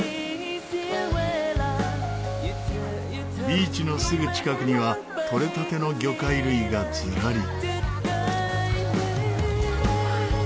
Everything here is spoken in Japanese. ビーチのすぐ近くには取れたての魚介類がずらり。